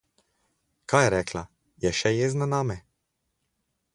Kaj je rekla? Je še jezna name?